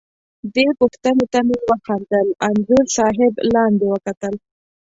دې پوښتنې ته مې وخندل، انځور صاحب لاندې وکتل.